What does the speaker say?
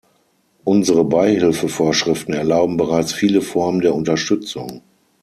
Unsere Beihilfevorschriften erlauben bereits viele Formen der Unterstützung.